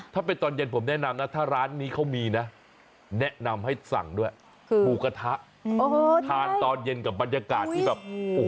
ถ้าเป็นตอนเย็นผมแนะนำนะถ้าร้านนี้เขามีนะแนะนำให้สั่งด้วยหมูกระทะทานตอนเย็นกับบรรยากาศที่แบบ